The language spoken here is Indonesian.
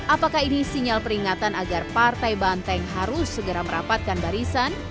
apakah ini sinyal peringatan agar partai banteng harus segera merapatkan barisan